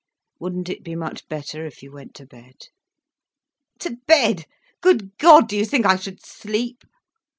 "Wouldn't it be much better if you went to bed?" "To bed! Good God, do you think I should sleep?